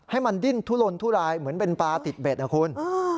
ให้มันดิ้นทุลนทุรายเหมือนเป็นปลาติดเบ็ดนะคุณ